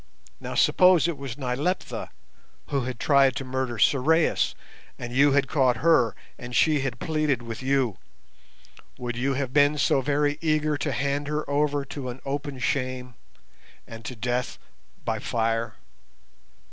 Now suppose it was Nyleptha who had tried to murder Sorais, and you had caught her, and she had pleaded with you, would you have been so very eager to hand her over to an open shame, and to death by fire?